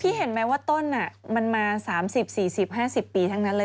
เห็นไหมว่าต้นมันมา๓๐๔๐๕๐ปีทั้งนั้นเลย